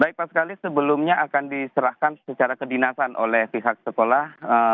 baik pak sekali sebelumnya akan diserahkan secara kedinasan oleh pihak sekolah